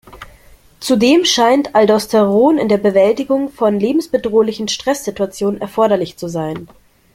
Zudem scheint Aldosteron in der Bewältigung von lebensbedrohlichen Stresssituationen erforderlich zu sein.